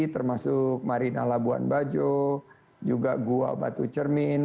termasuk marina labuan bajo juga gua batu cermin